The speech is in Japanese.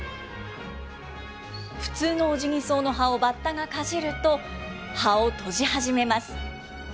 普通のオジギソウの葉をバッタがかじると、葉を閉じ始めます。